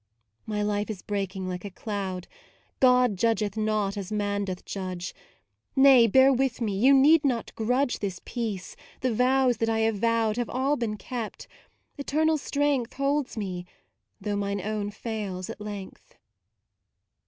My life is breaking like a cloud; God judgeth not as man doth judge Nay, bear with me; you need not grudge This peace; the vows that I have vowed Have all been kept; Eternal Strength Holds me, though mine own fails at length.